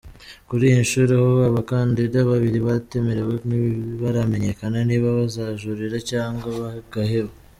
Kuri iyi nshuro ho, abakandida babiri batemerewe ntibiramenyekana niba bazajurira cyangwa bagaheba.